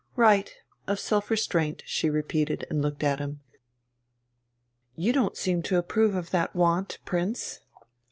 "Right, of self restraint," she repeated, and looked at him. "You don't seem to approve of that want, Prince."